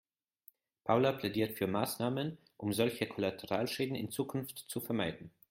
Paula plädiert für Maßnahmen, um solche Kollateralschäden in Zukunft zu vermeiden.